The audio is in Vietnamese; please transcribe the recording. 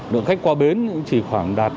lượng khách qua bến chỉ khoảng đạt